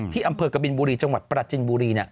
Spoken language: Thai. ที่อำเภอกบินบุรีจังหวัดปราจินบุรี